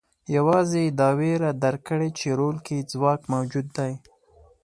یوازې یې دا وېره درک کړې چې رول کې ځواک موجود دی.